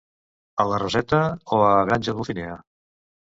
A la Roseta o a Granja Dulcinea?